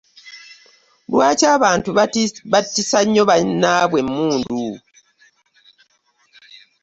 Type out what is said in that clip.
Lwaki abantu battisa nnyo bannaabwe emmundu?